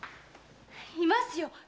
いますよ。